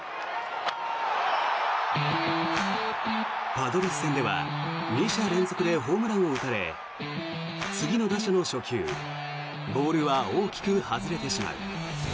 パドレス戦では２者連続でホームランを打たれ次の打者の初球ボールは大きく外れてしまう。